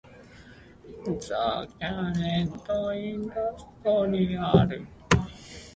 The current industrial production of acrylic acid involves the catalytic partial oxidation of propene.